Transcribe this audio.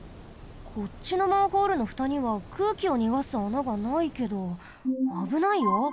こっちのマンホールのふたにはくうきをにがす穴がないけどあぶないよ。